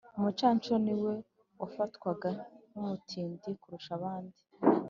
umucanshuro niwe wafatwaga nk' umutindi kurusha abandi